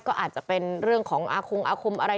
ก็อาจจะเป็นเรื่องของอาคงอาคมอะไร